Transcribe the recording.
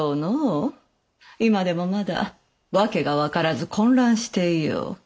今でもまだ訳が分からず混乱していよう。